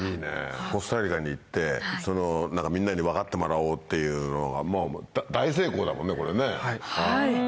コスタリカに行ってみんなに分かってもらおうっていうのが大成功だもんねこれね。